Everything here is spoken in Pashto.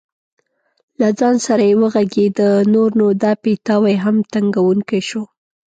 له ځان سره یې وغږېده: نور نو دا پیتاوی هم تنګوونکی شو.